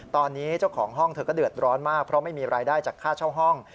ตอนนี้เจ้าของห้องเธอก็เดือดร้อนมากเพราะไม่มีรายได้จากค่าเช่าห้อง